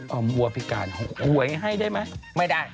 อ้อวัวพิการหัวก่วยให้ได้มั้ยไม่ได้